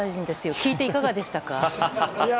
聞いて、いかがでしたか？